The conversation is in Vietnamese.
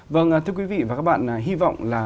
vâng thưa quý vị và các bạn hy vọng là